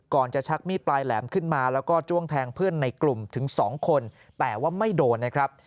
จะชักมีดปลายแหลมขึ้นมาแล้วก็จ้วงแทงเพื่อนในกลุ่มถึง๒คนแต่ว่าไม่โดนนะครับ